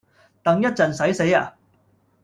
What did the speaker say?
等一陣洗死呀？